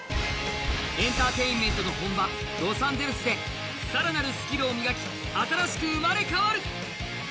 エンターテインメントの本場ロサンゼルスで更なるスキルを磨き、新しく生まれ変わる。